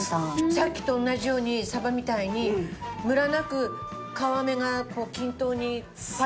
さっきと同じようにサバみたいにムラなく皮目が均等にパリッといくって事？